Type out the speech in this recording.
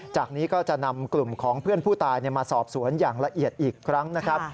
จากนี้ก็จะนำกลุ่มของเพื่อนผู้ตายมาสอบสวนอย่างละเอียดอีกครั้งนะครับ